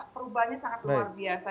perubahannya sangat luar biasa